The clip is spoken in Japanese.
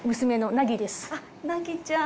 凪ちゃん。